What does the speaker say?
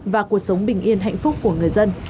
và cuộc sống bình yên hạnh phúc của người dân